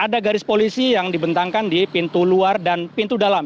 ada garis polisi yang dibentangkan di pintu luar dan pintu dalam